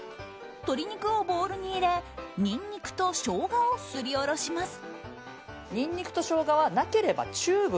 鶏肉をボウルに入れニンニクとショウガをすりおろします。